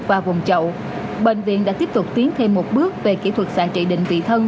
qua vùng chậu bệnh viện đã tiếp tục tiến thêm một bước về kỹ thuật sản trị định vị thân